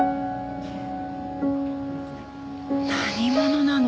何者なの？